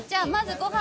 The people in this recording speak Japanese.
ご飯。